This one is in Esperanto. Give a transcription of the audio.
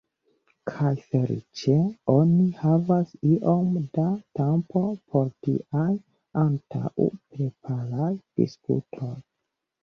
Kaj feliĉe oni havas iom da tempo por tiaj antaŭpreparaj diskutoj.